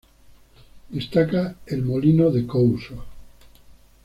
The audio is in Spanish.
Destaca el molino de Couso.